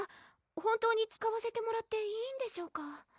本当に使わせてもらっていいんでしょうか？